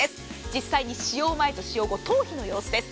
実際に使用前と使用後の頭皮の様子です。